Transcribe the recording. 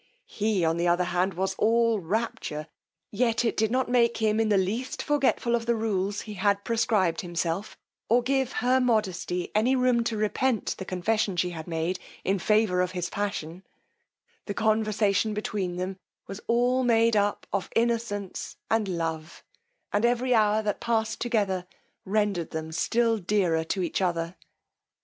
He, on the other hand, was all rapture, yet did it not make him in the least forgetful of the rules he had prescribed himself, or give her modesty any room to repent the confession she had made in favour of his passion: the conversation between them was all made up of innocence and love; and every hour they passed together, rendered them still dearer to each other.